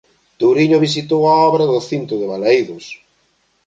Touriño visitou a obra do cinto de Balaídos